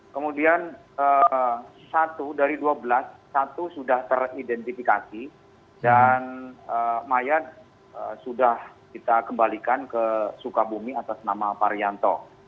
kemudian satu dari dua belas satu sudah teridentifikasi dan mayat sudah kita kembalikan ke sukabumi atas nama parianto